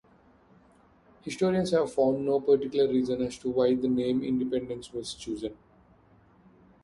Historians have found no particular reason as to why the name Independence was chosen.